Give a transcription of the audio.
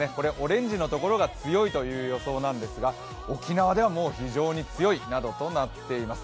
オレンジのところが強いという予想なんですが沖縄ではもう非常に強いなどとなっています。